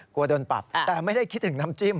กลัวโดนปรับแต่ไม่ได้คิดถึงน้ำจิ้ม